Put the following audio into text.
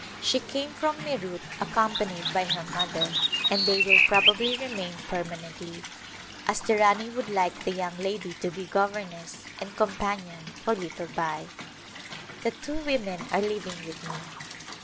She came from Meerut accompa nied by her mother, and they will probably remain permanently, as the Rani would like the young lady to be governess and companion for little Bai. The two women are living with me.